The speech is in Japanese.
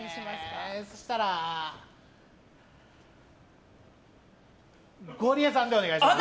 そうしたら、ゴリエさんでお願いします。